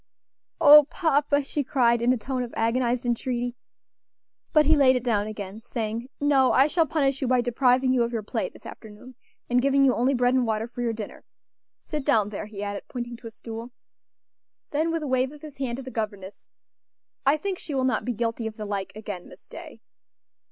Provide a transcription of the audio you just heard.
"O papa!" she cried, in a tone of agonized entreaty. But he laid it down again, saying: "No, I shall punish you by depriving you of your play this afternoon, and giving you only bread and water for your dinner. Sit down there," he added, pointing to a stool. Then, with a wave of his hand to the governess, "I think she will not be guilty of the like again, Miss Day."